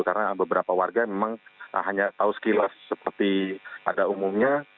karena beberapa warga memang hanya tahu sekilas seperti pada umumnya